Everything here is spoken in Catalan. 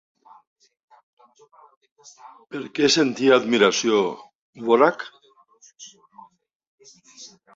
Per què sentia admiració Dvořák?